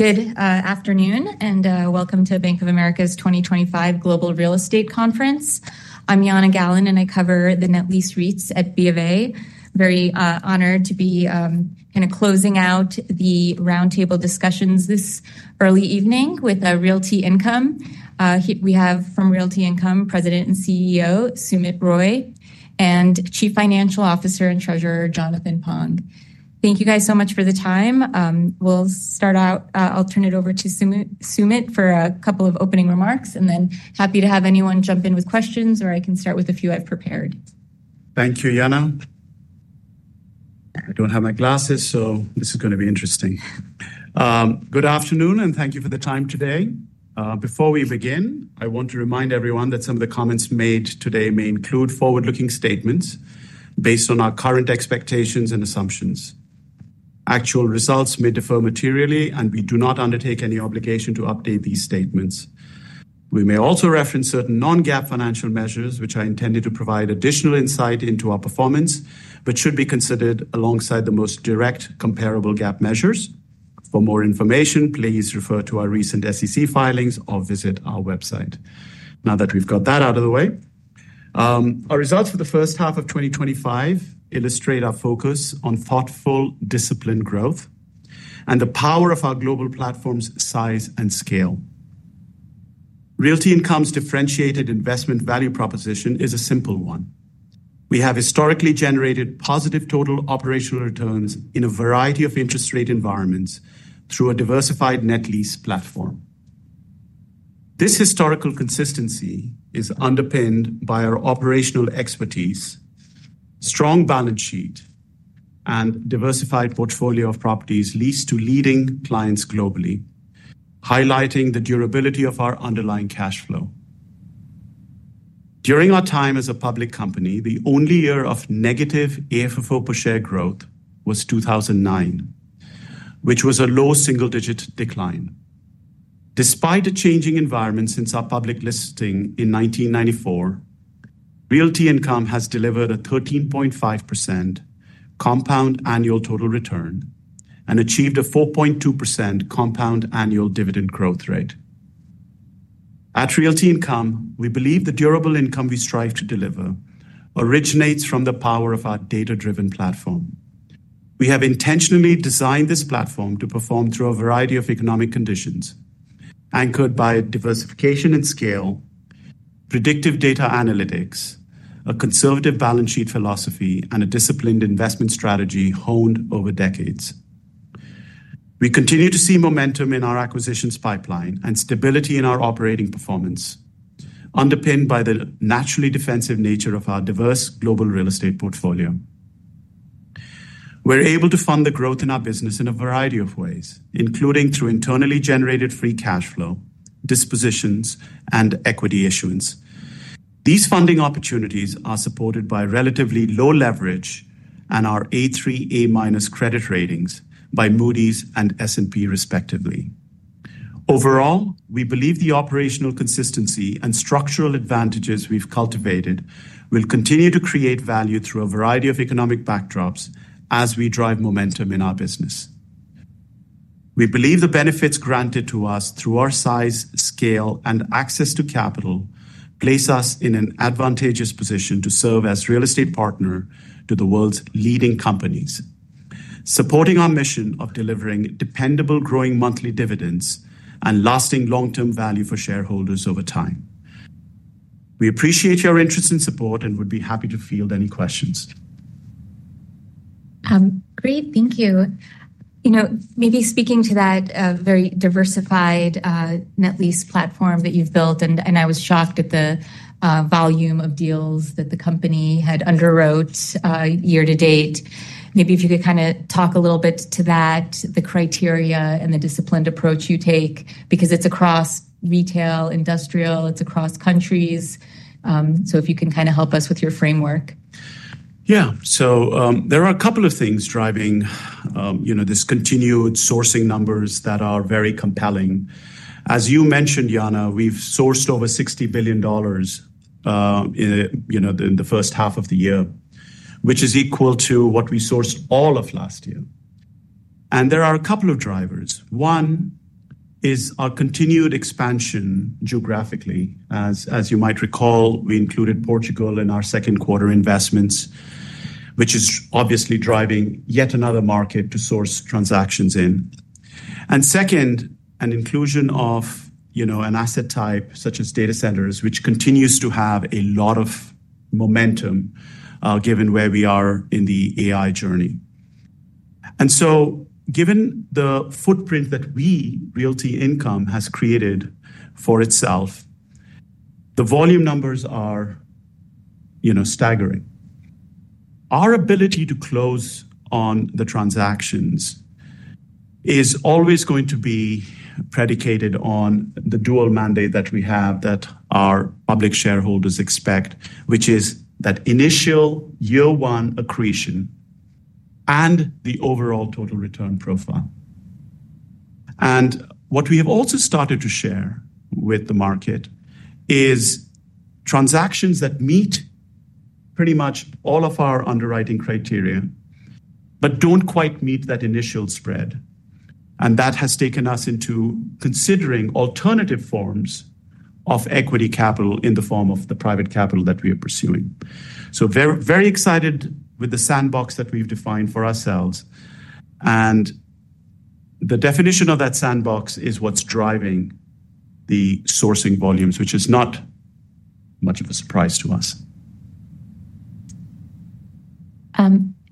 Good afternoon and welcome to Bank of America's 2025 Global Real Estate Conference. I'm Jana Galan, and I cover the Net Lease REITs at Bank of America. Very honored to be kind of closing out the roundtable discussions this early evening with Realty Income. We have from Realty Income, President and CEO Sumit Roy and Chief Financial Officer and Treasurer Jonathan Pong. Thank you guys so much for the time. We'll start out. I'll turn it over to Sumit for a couple of opening remarks, and then happy to have anyone jump in with questions, or I can start with a few I've prepared. Thank you, Jana. I don't have my glasses, so this is going to be interesting. Good afternoon, and thank you for the time today. Before we begin, I want to remind everyone that some of the comments made today may include forward-looking statements based on our current expectations and assumptions. Actual results may differ materially, and we do not undertake any obligation to update these statements. We may also reference certain non-GAAP financial measures, which are intended to provide additional insight into our performance, but should be considered alongside the most direct comparable GAAP measures. For more information, please refer to our recent SEC filings or visit our website. Now that we've got that out of the way, our results for the first half of 2025 illustrate our focus on thoughtful, disciplined growth and the power of our global platform's size and scale. Realty Income's differentiated investment value proposition is a simple one. We have historically generated positive total operational returns in a variety of interest rate environments through a diversified net lease platform. This historical consistency is underpinned by our operational expertise, strong balance sheet, and diversified portfolio of properties leased to leading clients globally, highlighting the durability of our underlying cash flow. During our time as a public company, the only year of negative AFFO per share growth was 2009, which was a low single-digit decline. Despite a changing environment since our public listing in 1994, Realty Income has delivered a 13.5% compound annual total return and achieved a 4.2% compound annual dividend growth rate. At Realty Income, we believe the durable income we strive to deliver originates from the power of our data-driven platform. We have intentionally designed this platform to perform through a variety of economic conditions, anchored by diversification and scale, predictive data analytics, a conservative balance sheet philosophy, and a disciplined investment strategy honed over decades. We continue to see momentum in our acquisitions pipeline and stability in our operating performance, underpinned by the naturally defensive nature of our diverse global real estate portfolio. We're able to fund the growth in our business in a variety of ways, including through internally generated free cash flow, dispositions, and equity issuance. These funding opportunities are supported by relatively low leverage and our A3/A- credit ratings by Moody's and S&P, respectively. Overall, we believe the operational consistency and structural advantages we've cultivated will continue to create value through a variety of economic backdrops as we drive momentum in our business. We believe the benefits granted to us through our size, scale, and access to capital place us in an advantageous position to serve as a real estate partner to the world's leading companies, supporting our mission of delivering dependable, growing monthly dividends and lasting long-term value for shareholders over time. We appreciate your interest and support and would be happy to field any questions. Great, thank you. Maybe speaking to that very diversified net lease platform that you've built, I was shocked at the volume of deals that the company had underwrote year to date. Maybe if you could kind of talk a little bit to that, the criteria and the disciplined approach you take, because it's across retail, industrial, it's across countries. If you can kind of help us with your framework. Yeah, so there are a couple of things driving this continued sourcing numbers that are very compelling. As you mentioned, Jana, we've sourced over $60 billion in the first half of the year, which is equal to what we sourced all of last year. There are a couple of drivers. One is our continued expansion geographically. As you might recall, we included Portugal in our second-quarter investments, which is obviously driving yet another market to source transactions in. Second, an inclusion of an asset type such as data centers, which continues to have a lot of momentum given where we are in the AI journey. Given the footprint that we, Realty Income, have created for itself, the volume numbers are staggering. Our ability to close on the transactions is always going to be predicated on the dual mandate that we have that our public shareholders expect, which is that initial year-one accretion and the overall total return profile. What we have also started to share with the market is transactions that meet pretty much all of our underwriting criteria, but don't quite meet that initial spread. That has taken us into considering alternative forms of equity capital in the form of the private capital that we are pursuing. We're very excited with the sandbox that we've defined for ourselves. The definition of that sandbox is what's driving the sourcing volumes, which is not much of a surprise to us.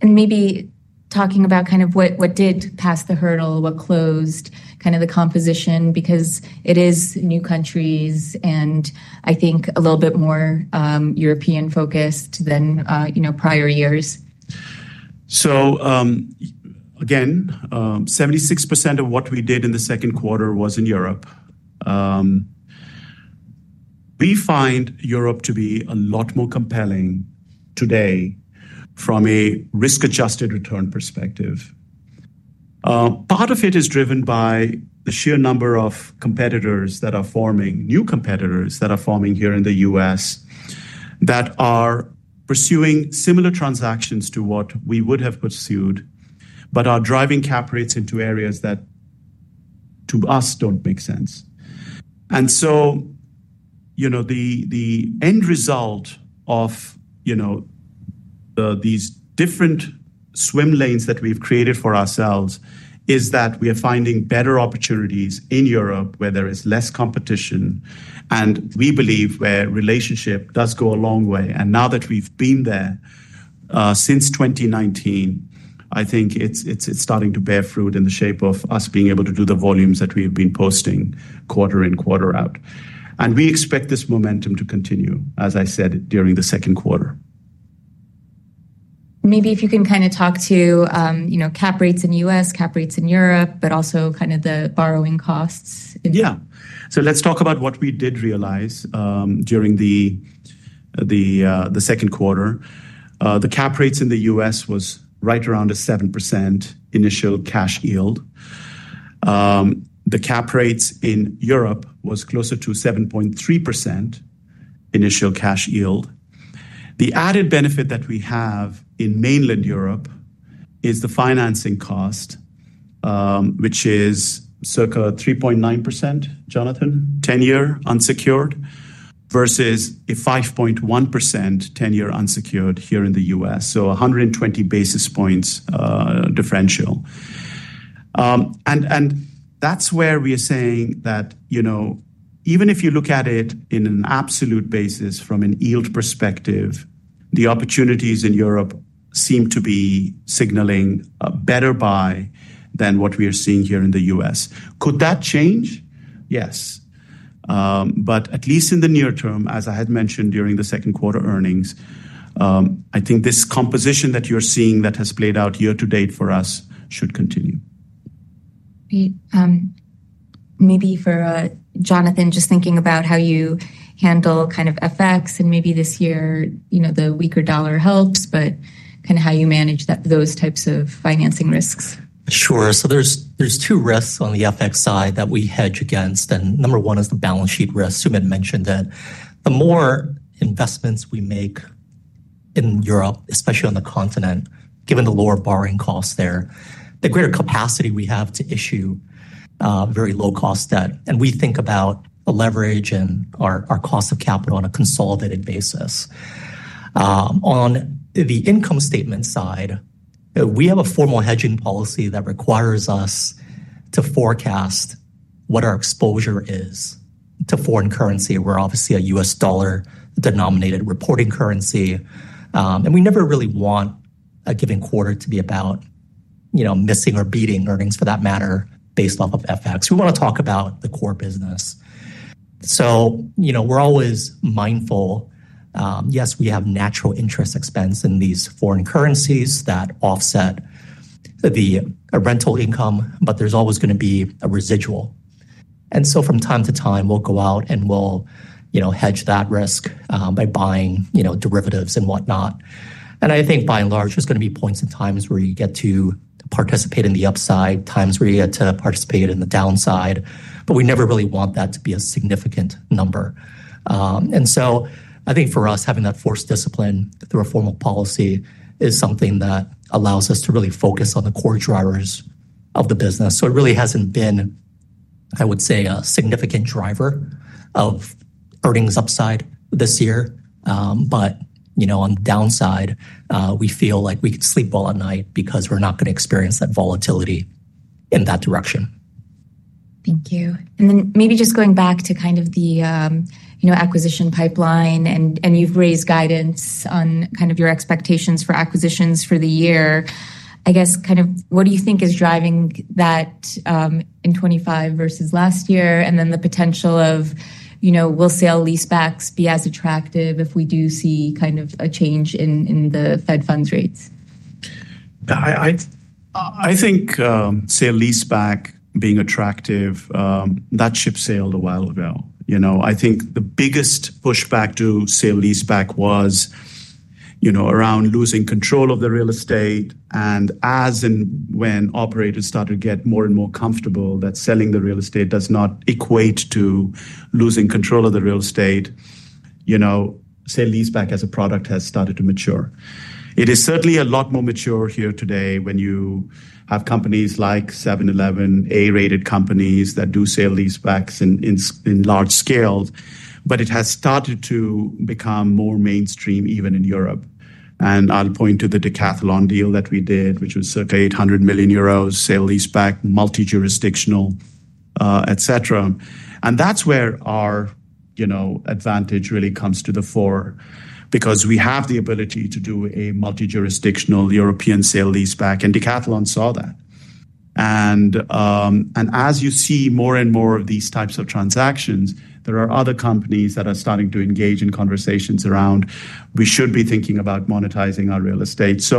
Maybe talking about kind of what did pass the hurdle, what closed, kind of the composition, because it is new countries and I think a little bit more European-focused than prior years. Again, 76% of what we did in the second quarter was in Europe. We find Europe to be a lot more compelling today from a risk-adjusted return perspective. Part of it is driven by the sheer number of competitors that are forming, new competitors that are forming here in the U.S. that are pursuing similar transactions to what we would have pursued, but are driving cap rates into areas that to us don't make sense. The end result of these different swim lanes that we've created for ourselves is that we are finding better opportunities in Europe where there is less competition. We believe where relationship does go a long way. Now that we've been there since 2019, I think it's starting to bear fruit in the shape of us being able to do the volumes that we've been posting quarter in, quarter out. We expect this momentum to continue, as I said, during the second quarter. Maybe if you can kind of talk to cap rates in the U.S., cap rates in Europe, but also kind of the borrowing costs. Yeah, let's talk about what we did realize during the second quarter. The cap rates in the U.S. were right around a 7% initial cash yield. The cap rates in Europe were closer to 7.3% initial cash yield. The added benefit that we have in mainland Europe is the financing cost, which is circa 3.9%, Jonathan, 10-year unsecured versus a 5.1% 10-year unsecured here in the U.S. That is a 120 basis points differential. That's where we are saying that even if you look at it on an absolute basis from a yield perspective, the opportunities in Europe seem to be signaling a better buy than what we are seeing here in the U.S. Could that change? Yes. At least in the near term, as I had mentioned during the second quarter earnings, I think this composition that you're seeing that has played out year to date for us should continue. Maybe for Jonathan, just thinking about how you handle kind of FX and maybe this year the weaker dollar helps, but kind of how you manage those types of financing risks. Sure. So there's two risks on the FX side that we hedge against. Number one is the balance sheet risk. Sumit mentioned that the more investments we make in Europe, especially on the continent, given the lower borrowing costs there, the greater capacity we have to issue very low-cost debt. We think about the leverage and our cost of capital on a consolidated basis. On the income statement side, we have a formal hedging policy that requires us to forecast what our exposure is to foreign currency. We're obviously a U.S. dollar-denominated reporting currency. We never really want a given quarter to be about missing or beating earnings, for that matter, based off of FX. We want to talk about the core business. We're always mindful. Yes, we have natural interest expense in these foreign currencies that offset the rental income, but there's always going to be a residual. From time to time, we'll go out and we'll hedge that risk by buying derivatives and whatnot. I think by and large, there's going to be points of times where you get to participate in the upside, times where you get to participate in the downside. We never really want that to be a significant number. I think for us, having that forced discipline through a formal policy is something that allows us to really focus on the core drivers of the business. It really hasn't been, I would say, a significant driver of earnings upside this year. On the downside, we feel like we could sleep well at night because we're not going to experience that volatility in that direction. Thank you. Maybe just going back to the acquisition pipeline, you've raised guidance on your expectations for acquisitions for the year. I guess what do you think is driving that in 2025 versus last year? The potential of will sale-leasebacks be as attractive if we do see a change in the Fed funds rates? I think sale-leaseback being attractive, that ship sailed a while ago. I think the biggest pushback to sale-leaseback was around losing control of the real estate. As and when operators started to get more and more comfortable that selling the real estate does not equate to losing control of the real estate, sale-leaseback as a product has started to mature. It is certainly a lot more mature here today when you have companies like 7-Eleven, A-rated companies that do sale-leasebacks in large scales. It has started to become more mainstream even in Europe. I'll point to the Decathlon deal that we did, which was circa 800 million euros sale-leaseback, multi-jurisdictional, et cetera. That's where our advantage really comes to the fore because we have the ability to do a multi-jurisdictional European sale-leaseback. Decathlon saw that. As you see more and more of these types of transactions, there are other companies that are starting to engage in conversations around we should be thinking about monetizing our real estate.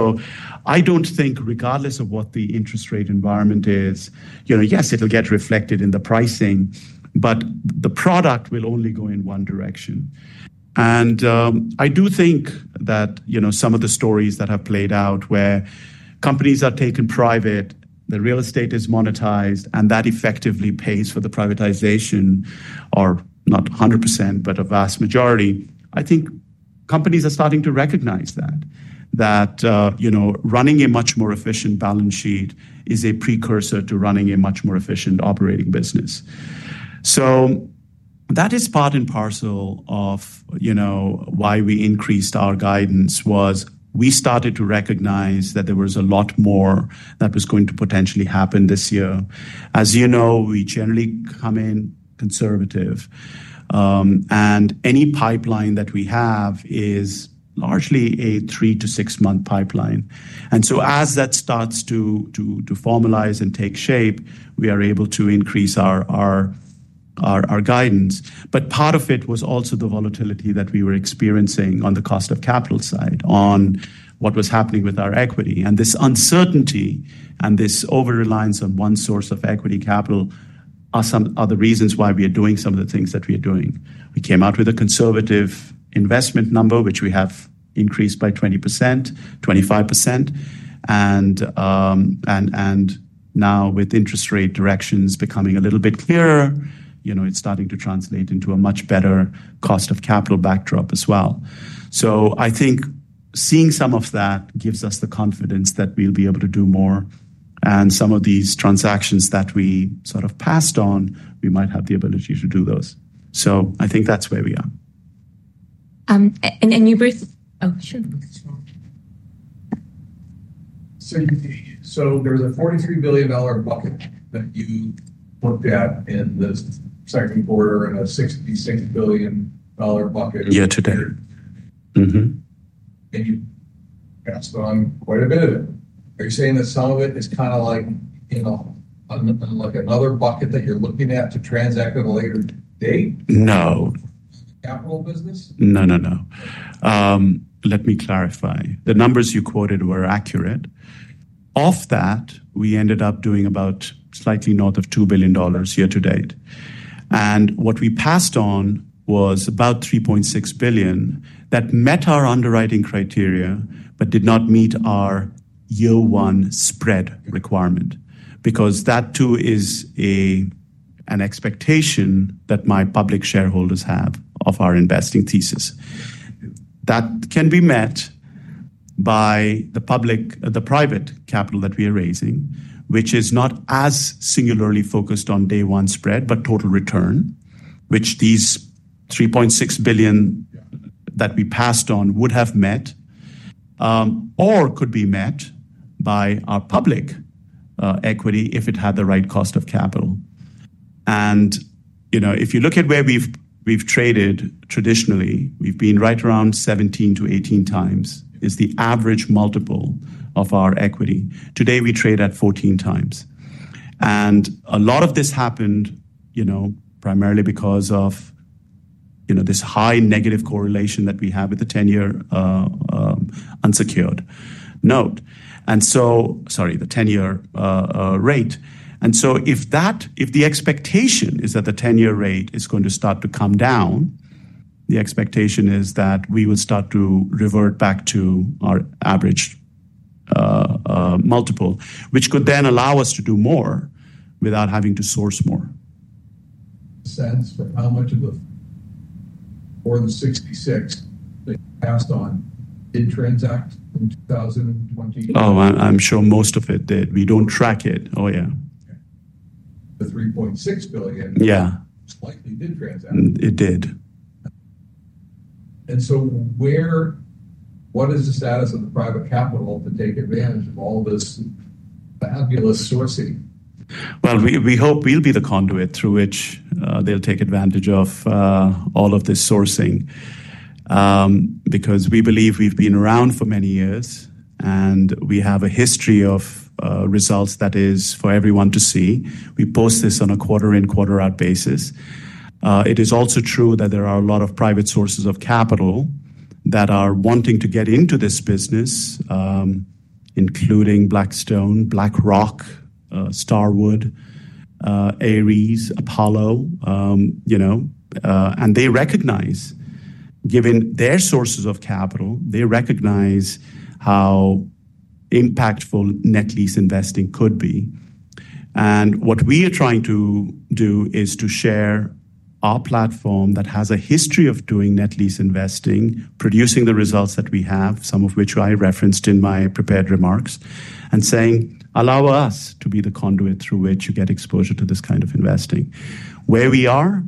I don't think regardless of what the interest rate environment is, yes, it'll get reflected in the pricing, but the product will only go in one direction. I do think that some of the stories that have played out where companies are taken private, the real estate is monetized, and that effectively pays for the privatization, or not 100%, but a vast majority. I think companies are starting to recognize that running a much more efficient balance sheet is a precursor to running a much more efficient operating business. That is part and parcel of why we increased our guidance, as we started to recognize that there was a lot more that was going to potentially happen this year. As you know, we generally come in conservative. Any pipeline that we have is largely a three to six-month pipeline. As that starts to formalize and take shape, we are able to increase our guidance. Part of it was also the volatility that we were experiencing on the cost of capital side, on what was happening with our equity. This uncertainty and this overreliance on one source of equity capital are some of the reasons why we are doing some of the things that we are doing. We came out with a conservative investment number, which we have increased by 20%, 25%. Now with interest rate directions becoming a little bit clearer, it's starting to translate into a much better cost of capital backdrop as well. I think seeing some of that gives us the confidence that we'll be able to do more. Some of these transactions that we sort of passed on, we might have the ability to do those. I think that's where we are. You both, sure. There was a $43 billion bucket that you looked at in the second quarter and a $66 billion bucket. Yeah, today. That's gone quite a bit. Are you saying that some of it is kind of like another bucket that you're looking at to transact at a later date? No, no, no. Let me clarify. The numbers you quoted were accurate. Off that, we ended up doing about slightly north of $2 billion year-to-date. What we passed on was about $3.6 billion that met our underwriting criteria, but did not meet our year-one spread requirement because that too is an expectation that my public shareholders have of our investing thesis. That can be met by the public, the private capital that we are raising, which is not as singularly focused on day-one spread, but total return, which these $3.6 billion that we passed on would have met or could be met by our public equity if it had the right cost of capital. If you look at where we've traded traditionally, we've been right around 17x-18x is the average multiple of our equity. Today, we trade at 14x. A lot of this happened primarily because of this high negative correlation that we have with the 10-year unsecured note. Sorry, the 10-year rate. If the expectation is that the 10-year rate is going to start to come down, the expectation is that we will start to revert back to our average multiple, which could then allow us to do more without having to source more. Sense, but how much of the $4.66 that you passed on didn't transact in 2018? I'm sure most of it did. We don't track it. Oh, yeah. $3.6? Yeah, it did. What is the status of the private capital that they can manage with all of this fabulous sourcing? We hope we'll be the conduit through which they'll take advantage of all of this sourcing because we believe we've been around for many years, and we have a history of results that is for everyone to see. We post this on a quarter in, quarter out basis. It is also true that there are a lot of private sources of capital that are wanting to get into this business, including Blackstone, BlackRock, Starwood, Ares, Apollo. They recognize, given their sources of capital, how impactful net lease investing could be. What we are trying to do is to share our platform that has a history of doing net lease investing, producing the results that we have, some of which I referenced in my prepared remarks, and saying, allow us to be the conduit through which you get exposure to this kind of investing. Where we are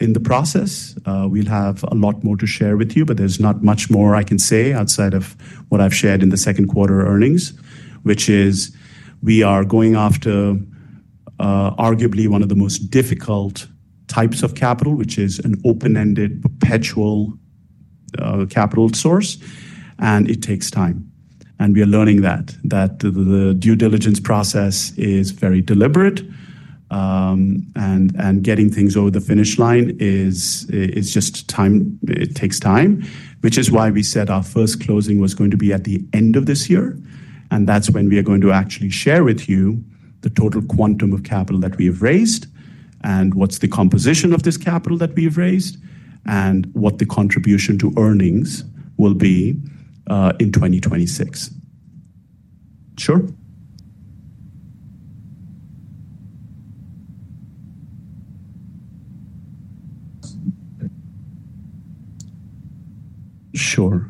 in the process, we'll have a lot more to share with you, but there's not much more I can say outside of what I've shared in the second quarter earnings, which is we are going after arguably one of the most difficult types of capital, which is an open-ended, perpetual capital source, and it takes time. We are learning that. The due diligence process is very deliberate, and getting things over the finish line is just time. It takes time, which is why we said our first closing was going to be at the end of this year. That's when we are going to actually share with you the total quantum of capital that we have raised and what's the composition of this capital that we have raised and what the contribution to earnings will be in 2026. Sure.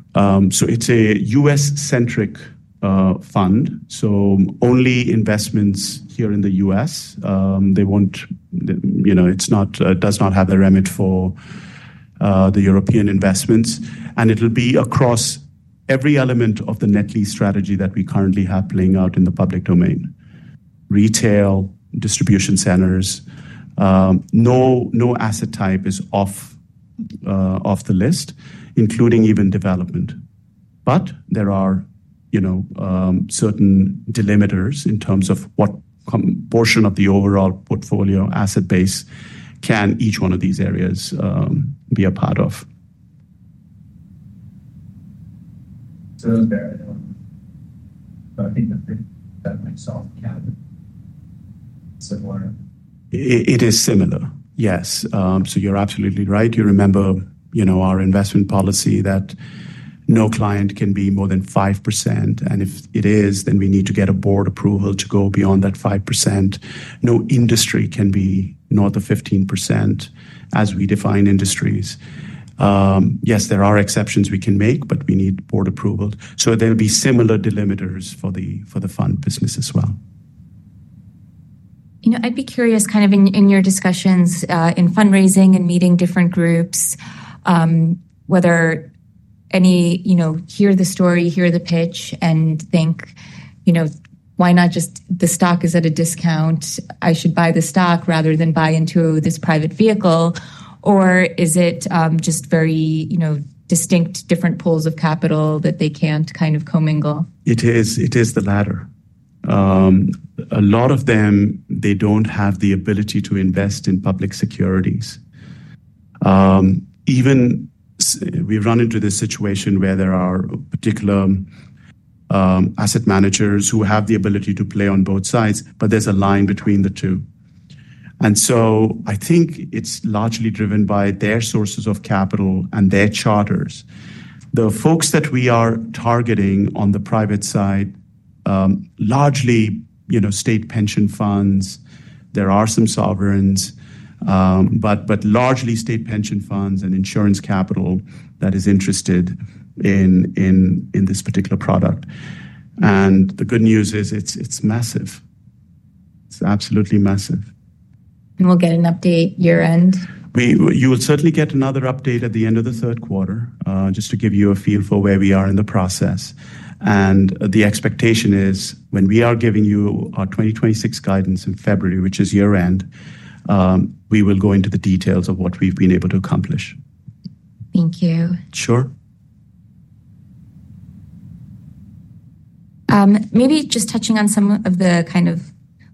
It's a U.S.-centric fund, so only investments here in the U.S. It does not have the remit for the European investments. It'll be across every element of the net lease strategy that we currently have playing out in the public domain. Retail, distribution centers, no asset type is off the list, including even development. There are certain delimiters in terms of what portion of the overall portfolio asset base can each one of these areas be a part of. Sounds fair. I think that's pretty solved. Yeah, similar. It is similar. Yes. You're absolutely right. You remember our investment policy that no client can be more than 5%. If it is, then we need to get a board approval to go beyond that 5%. No industry can be north of 15% as we define industries. Yes, there are exceptions we can make, but we need board approval. There will be similar delimiters for the fund business as well. I'd be curious, in your discussions in fundraising and meeting different groups, whether any hear the story, hear the pitch, and think, you know, why not just the stock is at a discount, I should buy the stock rather than buy into this private vehicle, or is it just very distinct, different pools of capital that they can't commingle? It is the latter. A lot of them, they don't have the ability to invest in public securities. Even we've run into this situation where there are particular asset managers who have the ability to play on both sides, but there's a line between the two. I think it's largely driven by their sources of capital and their charters. The folks that we are targeting on the private side, largely, you know, state pension funds. There are some sovereigns, but largely state pension funds and insurance capital that is interested in this particular product. The good news is it's massive. It's absolutely massive. Will we get an update year-end? You will certainly get another update at the end of the third quarter, just to give you a feel for where we are in the process. The expectation is when we are giving you our 2026 guidance in February, which is year-end, we will go into the details of what we've been able to accomplish. Thank you. Sure. Maybe just touching on some of the kind of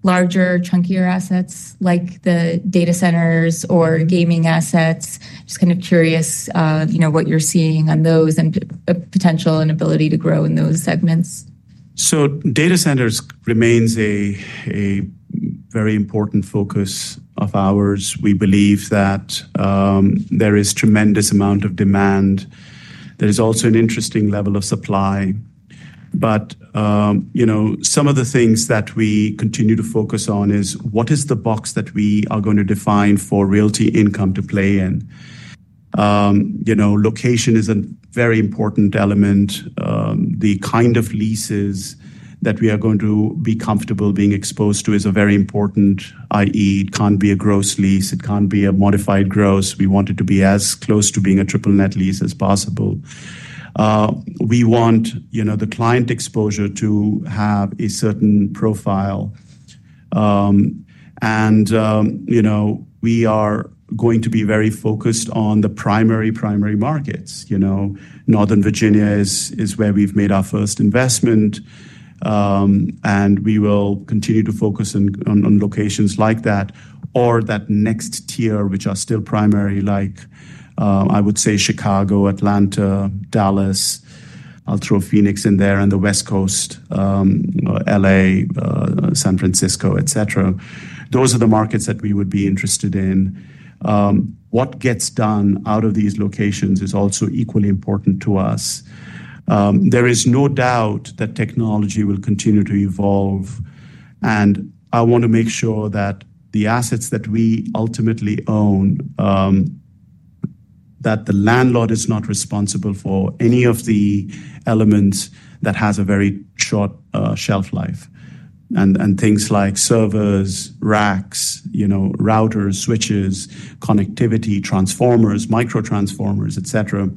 larger, chunkier assets, like the data centers or gaming assets, just kind of curious what you're seeing on those and the potential and ability to grow in those segments. Data centers remain a very important focus of ours. We believe that there is a tremendous amount of demand. There is also an interesting level of supply. Some of the things that we continue to focus on are what is the box that we are going to define for Realty Income to play in. Location is a very important element. The kind of leases that we are going to be comfortable being exposed to is very important, i.e., it can't be a gross lease. It can't be a modified gross. We want it to be as close to being a triple net lease as possible. We want the client exposure to have a certain profile. We are going to be very focused on the primary, primary markets. Northern Virginia is where we've made our first investment. We will continue to focus on locations like that or that next tier, which are still primary, like I would say Chicago, Atlanta, Dallas. I'll throw Phoenix in there and the West Coast, L.A., San Francisco, et cetera. Those are the markets that we would be interested in. What gets done out of these locations is also equally important to us. There is no doubt that technology will continue to evolve. I want to make sure that the assets that we ultimately own, that the landlord is not responsible for any of the elements that have a very short shelf life. Things like servers, racks, routers, switches, connectivity, transformers, microtransformers, et cetera,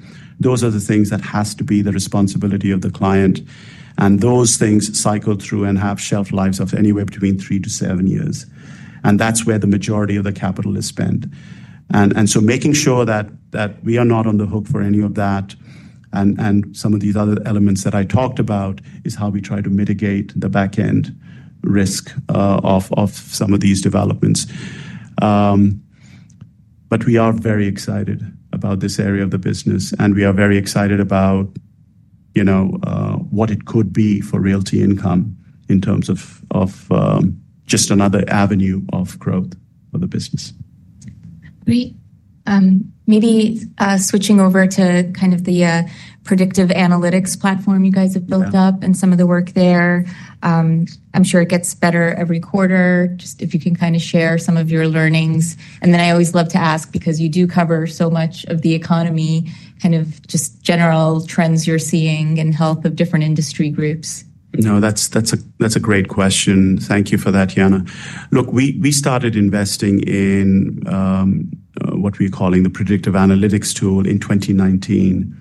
those are the things that have to be the responsibility of the client. Those things cycle through and have shelf lives of anywhere between three to seven years. That's where the majority of the capital is spent. Making sure that we are not on the hook for any of that and some of these other elements that I talked about is how we try to mitigate the backend risk of some of these developments. We are very excited about this area of the business. We are very excited about what it could be for Realty Income in terms of just another avenue of growth for the business. Great. Maybe switching over to kind of the predictive analytics platform you guys have built up and some of the work there. I'm sure it gets better every quarter, just if you can kind of share some of your learnings. I always love to ask because you do cover so much of the economy, kind of just general trends you're seeing in health of different industry groups. No, that's a great question. Thank you for that, Yana. Look, we started investing in what we're calling the predictive analytics tool in 2019.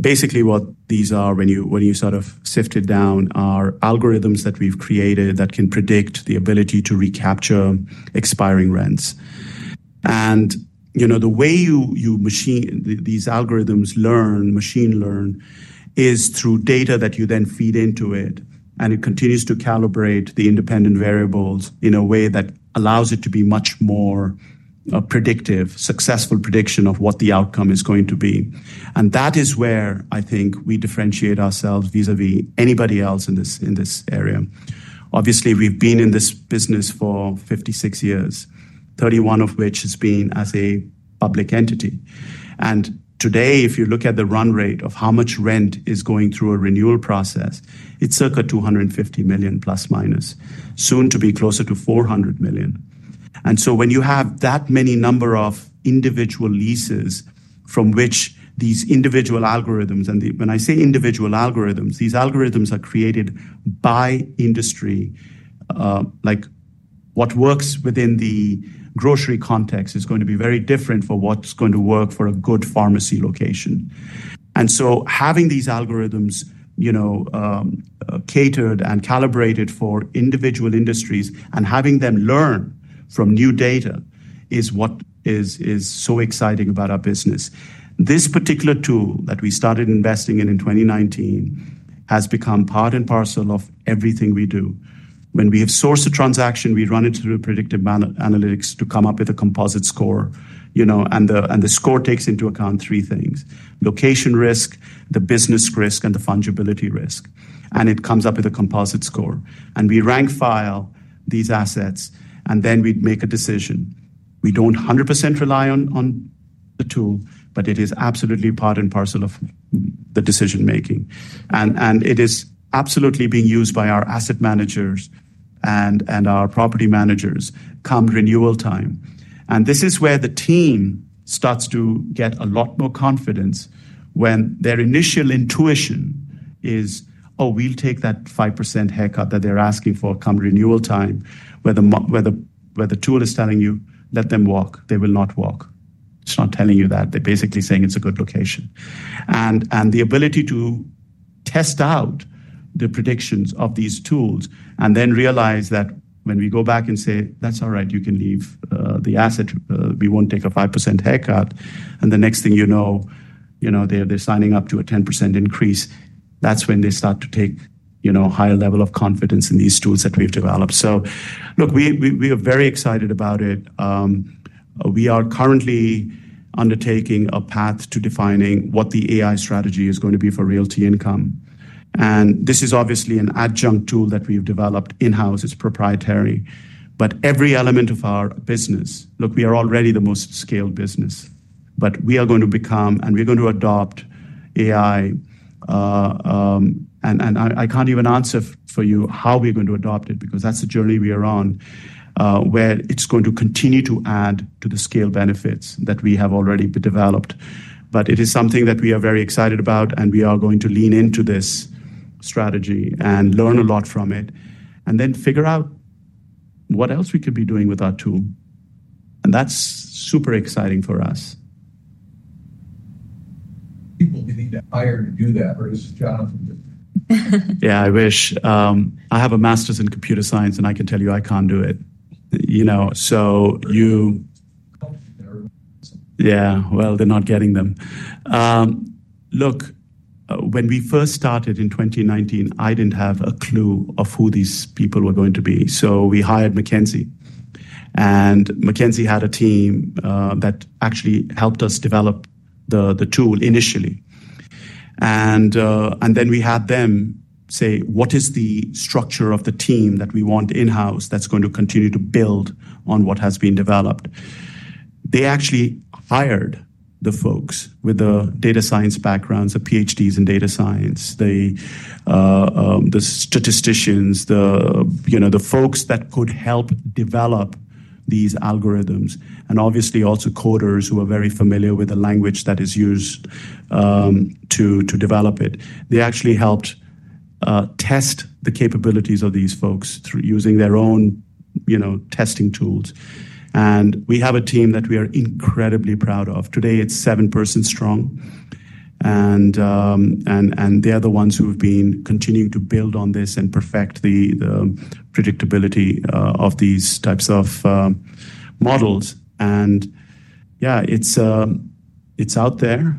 Basically, what these are, when you sort of sift it down, are algorithms that we've created that can predict the ability to recapture expiring rents. The way these algorithms learn, machine learn, is through data that you then feed into it. It continues to calibrate the independent variables in a way that allows it to be much more a predictive, successful prediction of what the outcome is going to be. That is where I think we differentiate ourselves vis-à-vis anybody else in this area. Obviously, we've been in this business for 56 years, 31 of which has been as a public entity. Today, if you look at the run rate of how much rent is going through a renewal process, it's circa $250 million±, soon to be closer to $400 million. When you have that many number of individual leases from which these individual algorithms, and when I say individual algorithms, these algorithms are created by industry. Like what works within the grocery context is going to be very different for what's going to work for a good pharmacy location. Having these algorithms catered and calibrated for individual industries and having them learn from new data is what is so exciting about our business. This particular tool that we started investing in in 2019 has become part and parcel of everything we do. When we have sourced a transaction, we run it through predictive analytics to come up with a composite score. The score takes into account three things: location risk, the business risk, and the fungibility risk. It comes up with a composite score. We rank-file these assets. Then we make a decision. We don't 100% rely on the tool, but it is absolutely part and parcel of the decision-making. It is absolutely being used by our asset managers and our property managers come renewal time. This is where the team starts to get a lot more confidence when their initial intuition is, oh, we'll take that 5% haircut that they're asking for come renewal time, where the tool is telling you, let them walk. They will not walk. It's not telling you that. They're basically saying it's a good location. The ability to test out the predictions of these tools and then realize that when we go back and say, that's all right, you can leave the asset. We won't take a 5% haircut. The next thing you know, they're signing up to a 10% increase. That's when they start to take a higher level of confidence in these tools that we've developed. We are very excited about it. We are currently undertaking a path to defining what the AI strategy is going to be for Realty Income. This is obviously an adjunct tool that we've developed in-house. It's proprietary. Every element of our business, we are already the most scaled business. We are going to become, and we're going to adopt AI. I can't even answer for you how we're going to adopt it because that's the journey we are on, where it's going to continue to add to the scale benefits that we have already developed. It is something that we are very excited about. We are going to lean into this strategy and learn a lot from it and then figure out what else we could be doing with our tool. That's super exciting for us. You need to hire to do that, or its job. Yeah, I wish. I have a master's in computer science, and I can tell you I can't do it. You know, they're not getting them. Look, when we first started in 2019, I didn't have a clue of who these people were going to be. We hired McKinsey. McKinsey had a team that actually helped us develop the tool initially. Then we had them say, what is the structure of the team that we want in-house that's going to continue to build on what has been developed? They actually hired the folks with the data science backgrounds, the PhDs in data science, the statisticians, the folks that could help develop these algorithms, and obviously also coders who are very familiar with the language that is used to develop it. They actually helped test the capabilities of these folks using their own testing tools. We have a team that we are incredibly proud of. Today, it's seven persons strong. They are the ones who have been continuing to build on this and perfect the predictability of these types of models. It's out there,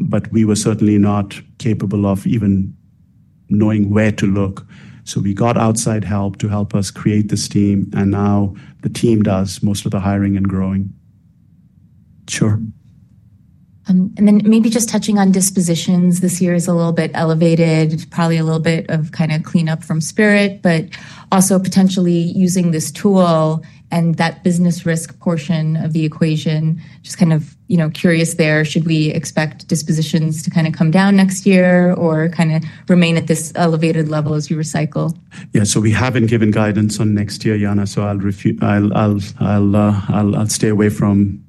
but we were certainly not capable of even knowing where to look. We got outside help to help us create this team. Now the team does most of the hiring and growing. Sure. Maybe just touching on dispositions, this year is a little bit elevated, probably a little bit of kind of cleanup from Spirit, but also potentially using this tool and that business risk portion of the equation. Just kind of curious there, should we expect dispositions to kind of come down next year or kind of remain at this elevated level as we recycle? Yeah, so we haven't given guidance on next year, Jana. I'll stay away from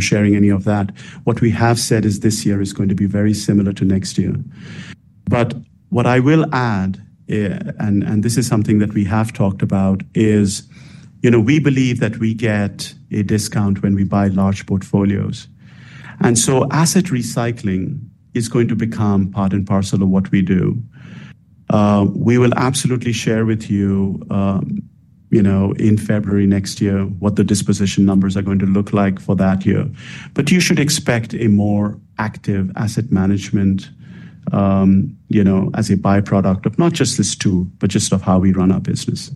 sharing any of that. What we have said is this year is going to be very similar to next year. What I will add, and this is something that we have talked about, is we believe that we get a discount when we buy large portfolios. Asset recycling is going to become part and parcel of what we do. We will absolutely share with you in February next year what the disposition numbers are going to look like for that year. You should expect a more active asset management as a byproduct of not just this tool, but just of how we run our business.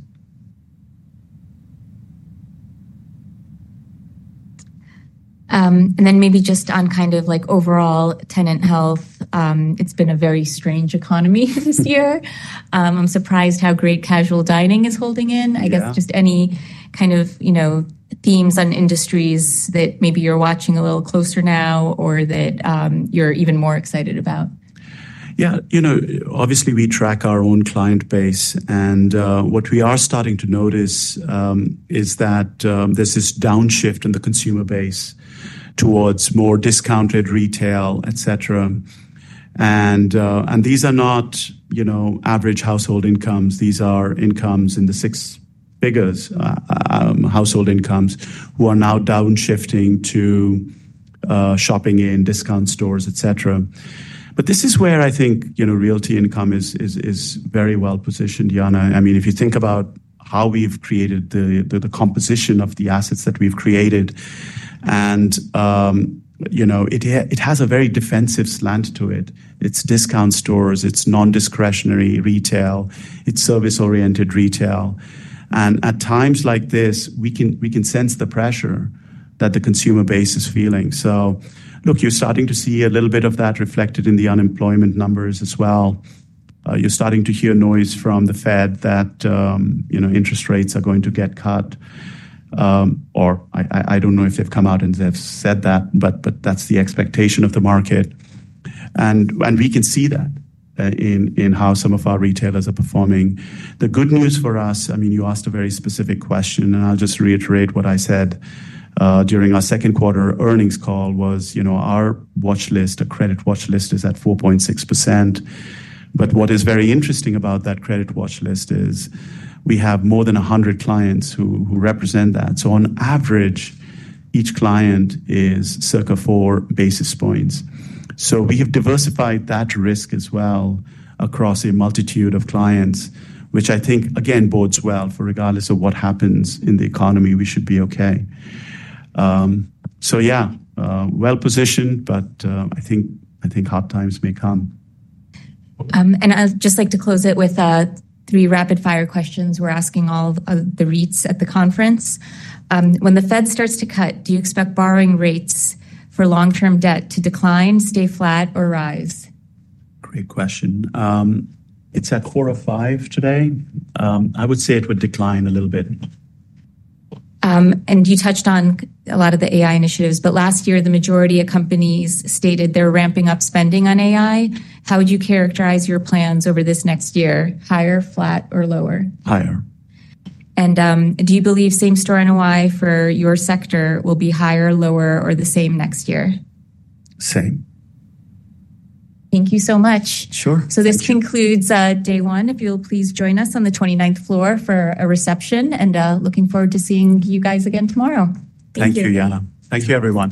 Maybe just on kind of like overall tenant health, it's been a very strange economy this year. I'm surprised how great casual dining is holding in. I guess just any kind of themes on industries that maybe you're watching a little closer now or that you're even more excited about. Yeah, you know, obviously we track our own client base. What we are starting to notice is that there's this downshift in the consumer base towards more discounted retail, et cetera. These are not average household incomes. These are incomes in the six figures, household incomes who are now downshifting to shopping in discount stores, et cetera. This is where I think Realty Income is very well positioned, Jana. I mean, if you think about how we've created the composition of the assets that we've created, it has a very defensive slant to it. It's discount stores, it's non-discretionary retail, it's service-oriented retail. At times like this, we can sense the pressure that the consumer base is feeling. Look, you're starting to see a little bit of that reflected in the unemployment numbers as well. You're starting to hear noise from the Fed that interest rates are going to get cut. I don't know if they've come out and they've said that, but that's the expectation of the market. We can see that in how some of our retailers are performing. The good news for us, I mean, you asked a very specific question, and I'll just reiterate what I said during our second quarter earnings call was our watchlist, a credit watchlist, is at 4.6%. What is very interesting about that credit watchlist is we have more than 100 clients who represent that. On average, each client is circa four basis points. We have diversified that risk as well across a multitude of clients, which I think, again, bodes well for regardless of what happens in the economy, we should be OK. Yeah, well positioned, but I think hard times may come. I'd just like to close it with three rapid-fire questions we're asking all of the REITs at the conference. When the Fed starts to cut, do you expect borrowing rates for long-term debt to decline, stay flat, or rise? Great question. It's at 4 or 5 today. I would say it would decline a little bit. You touched on a lot of the AI initiatives. Last year, the majority of companies stated they're ramping up spending on AI. How would you characterize your plans over this next year? Higher, flat, or lower? Higher. Do you believe same-store NOI for your sector will be higher, lower, or the same next year? Same. Thank you so much. Sure. This concludes day one. If you'll please join us on the 29th floor for a reception, and looking forward to seeing you guys again tomorrow. Thank you. Thank you, Jana. Thank you, everyone.